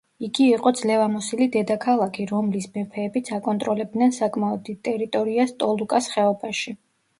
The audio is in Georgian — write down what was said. იგი იყო ძლევამოსილი დედაქალაქი, რომლის მეფეებიც აკონტროლებდნენ საკმაოდ დიდ ტერიტორიას ტოლუკას ხეობაში.